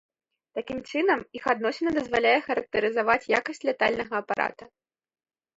Такім чынам, іх адносіна дазваляе характарызаваць якасць лятальнага апарата.